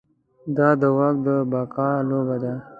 دا د واک د بقا لوبه ده.